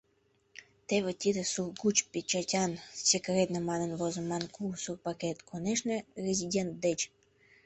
Теве тиде сургуч печатян, “секретно” манын возыман кугу сур пакет, конешне, резидент деч.